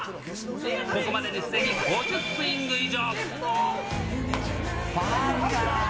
ここまでですでに５０スイング以上。